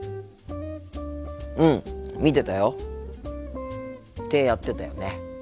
うん見てたよ。ってやってたよね。